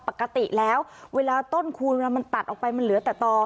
ปกติแล้วเวลาต้นคูณเวลามันตัดออกไปมันเหลือแต่ต่อ